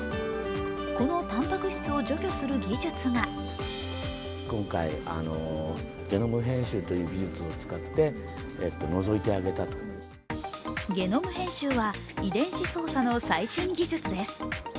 このたんぱく質を除去する技術がゲノム編集は遺伝子操作の最新技術です。